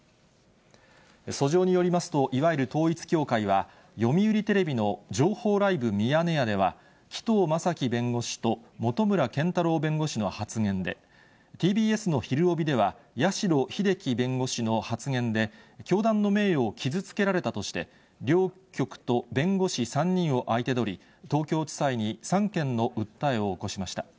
訴状によりますと、いわゆる統一教会は、読売テレビの情報ライブミヤネ屋では、紀藤正樹弁護士と本村健太郎弁護士の発言で、ＴＢＳのひるおびではやしろひでき弁護士の発言で、教団の名誉を傷つけられたとして、両局と弁護士３人を相手取り、東京地裁に３件の訴えを起こしました。